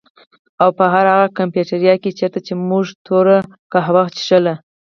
او په هر هغه کيفېټيريا کي چيرته چي مونږ توره کهوه څښله